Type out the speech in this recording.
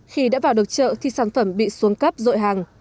khi đã vào được trợ thì sản phẩm bị xuống cấp rội hàng